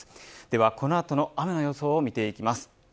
では、この後の雨の予想を見ていきます。